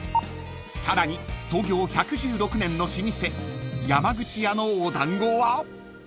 ［さらに創業１１６年の老舗山口屋のお団子は］